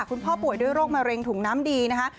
ป่วยด้วยโรคมะเร็งถุงน้ำดีนะคะ